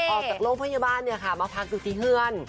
ออกจากโรงพยาบาลมาพักดูที่เฮือน